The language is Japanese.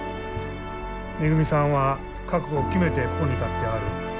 めぐみさんは覚悟を決めてここに立ってはる。